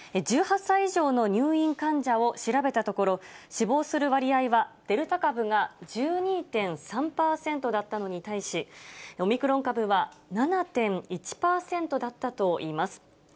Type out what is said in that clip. １８歳以上の入院患者を調べたところ、死亡する割合はデルタ株が１２．３％だったのに対し、オミクロン株は７．１％だったといいます。